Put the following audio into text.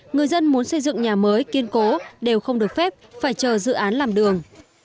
người dân muốn xây dựng nhà mới kiên cố đều không được phép phải chờ dự án làm đường